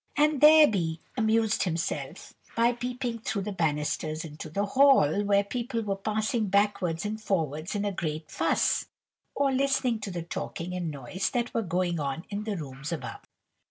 And there be amused himself by peeping through the banisters into the hall, where people were passing backwards and forwards in a great fuss; or listening to the talking and noise that were going on in the rooms above.